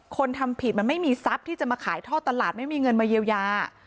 ทำผิดมันไม่มีทรัพย์ที่จะมาขายท่อตลาดไม่มีเงินมาเยียวยา